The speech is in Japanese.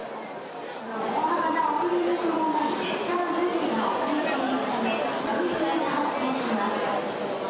大幅な遅れに伴い、列車の準備が遅れているため、運休が発生します。